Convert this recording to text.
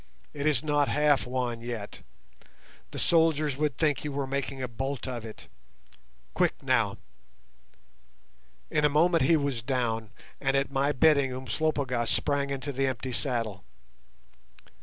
It is not half won yet. The soldiers would think you were making a bolt of it. Quick now." In a moment he was down, and at my bidding Umslopogaas sprang into the empty saddle.